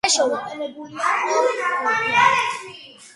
ადმინისტრაციული ცენტრი პრეშოვი.